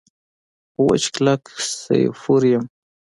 خو وچ کلک سیفور یم.